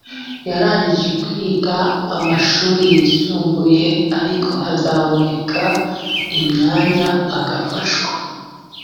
yarangije kwiga amashuri yisumbuye ariko hazaboneka imyanya agafashwa